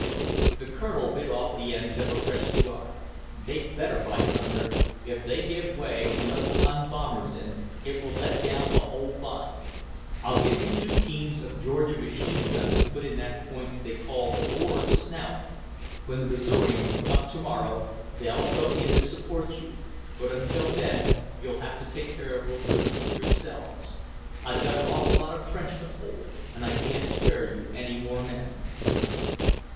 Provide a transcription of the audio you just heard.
The Colonel bit off the end of a fresh cigar. "They'd better, by thunder! If they give way and let the Hun bombers in, it will let down the whole line. I'll give you two teams of Georgia machine guns to put in that point they call the Boar's Snout. When the Missourians come up tomorrow, they'll go in to support you, but until then you'll have to take care of the loop yourselves. I've got an awful lot of trench to hold, and I can't spare you any more men."